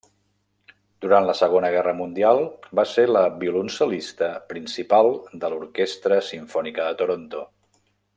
Durant la Segona Guerra Mundial va ser la violoncel·lista principal de l'Orquestra Simfònica de Toronto.